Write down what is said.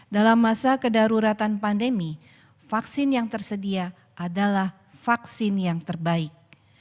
dalam masa kedaruratan pandemi vaksin yang tersedia adalah vaksin yang terbaik